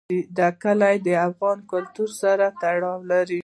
دا کلي له افغان کلتور سره تړاو لري.